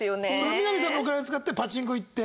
みな実さんのお金を使ってパチンコ行って。